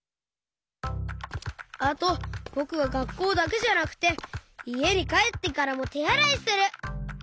あとぼくはがっこうだけじゃなくていえにかえってからもてあらいする！